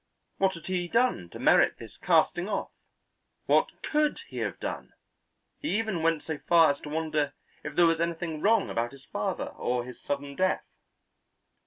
What had he done to merit this casting off? What could he have done? He even went so far as to wonder if there was anything wrong about his father or his sudden death.